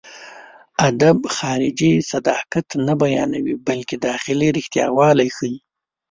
ادب خارجي صداقت نه بيانوي، بلکې داخلي رښتياوالی ښيي.